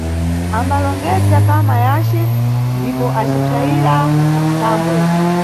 Ambalongedza kama yace ndipo acipsayira thambwe.